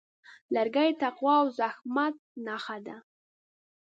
لرګی د تقوا او زحمت نښه ده.